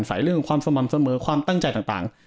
เรื่องความสม่ำเสมอความตั้งใจต่าง